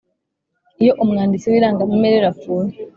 Iyo umwanditsi w irangamimerere apfuye